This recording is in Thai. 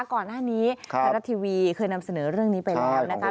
ก่อนหน้านี้ภาษาทางด้านนี้เคยนำเสนอเรื่องนี้ไปแล้วนะคะ